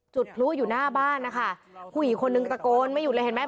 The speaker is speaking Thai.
จุดพลุอยู่หน้าบ้านนะคะผู้หญิงคนนึงตะโกนไม่หยุดเลยเห็นไหม